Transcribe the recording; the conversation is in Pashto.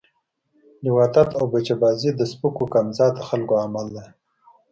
لواطت او بچه بازی د سپکو کم ذات خلکو عمل ده